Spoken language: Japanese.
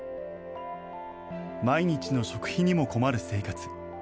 毎日の食費にも困る生活。